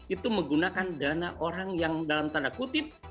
itu menggunakan dana orang yang dalam tanda kutip